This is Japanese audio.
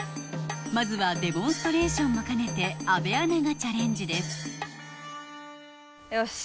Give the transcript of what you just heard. まずはデモンストレーションも兼ねて阿部アナがチャレンジですよし！